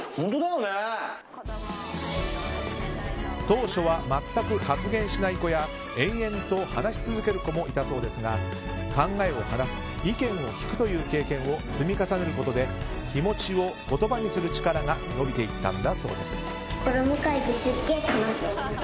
当初は全く発言しない子や延々と話し続ける子もいたそうですが考えを話す、意見を聞くという経験を積み重ねることで気持ちを言葉にする力が伸びていったんだそうです。